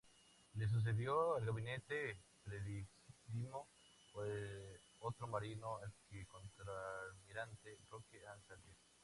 Le sucedió el gabinete presidido por otro marino, el contralmirante Roque A. Saldías.